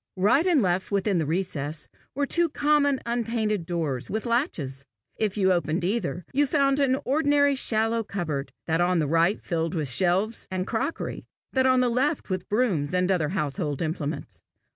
Right and left within the recess, were two common, unpainted doors, with latches. If you opened either, you found an ordinary shallow cupboard, that on the right filled with shelves and crockery, that on the left with brooms and other household implements.